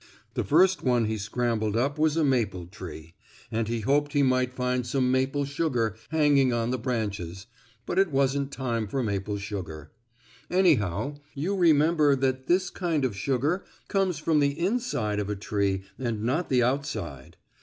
The first one he scrambled up was a maple tree, and he hoped he might find some maple sugar hanging on the branches, but it wasn't time for maple sugar. Anyhow, you remember that this kind of sugar comes from the inside of a tree and not the outside.